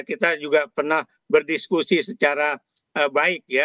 kita juga pernah berdiskusi secara baik ya